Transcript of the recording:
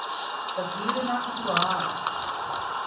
تصویر نہ کھنچوان